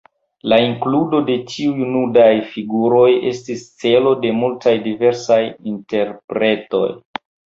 La inkludo de tiuj nudaj figuroj estis celo de multaj diversaj interpretoj.